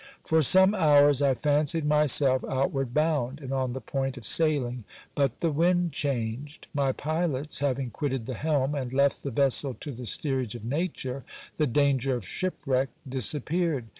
For some hours I fancied myself outward bound, and on the point of sailing ; but the wind changed. My pilots having quitted the helm, and left the vessel to the steerage of nature, the danger of shipwreck disappeared.